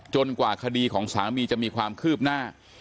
กว่าคดีของสามีจะมีความคืบหน้า